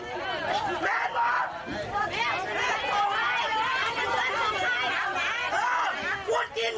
บอกมติของคณะกรรมการวัดไม่ให้ขายแล้วนะฮะ